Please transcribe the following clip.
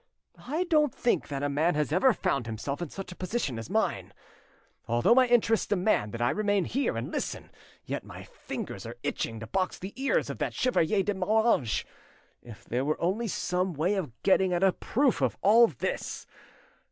I don't think that a man has ever found himself in such a position as mine. Although my interests demand that I remain here and listen, yet my fingers are itching to box the ears of that Chevalier de Moranges. If there were only some way of getting at a proof of all this!